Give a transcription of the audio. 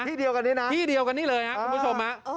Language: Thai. พี่เดียวกันนี่นะคุณผู้ชมพี่เดียวกันนี่เลยนะคุณผู้ชม